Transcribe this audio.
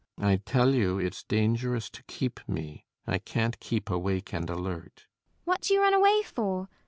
I tell you it's dangerous to keep me. I can't keep awake and alert. ELLIE. What do you run away for?